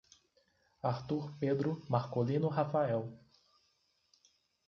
Arthur Pedro Marcolino Rafael